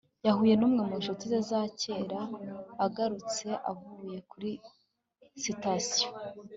yahuye numwe mu nshuti ze za kera agarutse avuye kuri sitasiyo